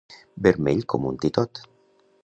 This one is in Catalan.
Vermell com un titot.